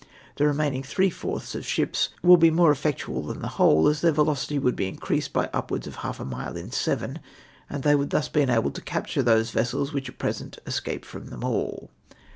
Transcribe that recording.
The remaining three fourths of the ships will be more effectual than the whole, as their velocity would be increased by up w^ards of half a mile in seven, and they would thus be enabled to capture those vessels which at present escape from them all.